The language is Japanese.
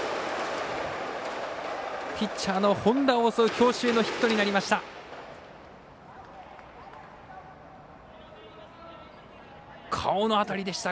ピッチャーの本田を襲う強襲のヒットになりました。